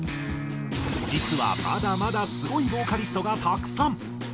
実はまだまだスゴいボーカリストがたくさん。